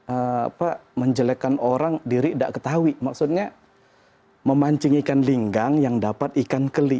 apa menjelekkan orang diri tidak ketahui maksudnya memancing ikan linggang yang dapat ikan keli